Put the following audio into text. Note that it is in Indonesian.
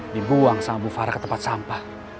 dibuang sama bu farah ke tempat sampah